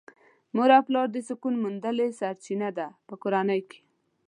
مور او پلار د سکون موندلې سرچينه ده په کورنۍ کې .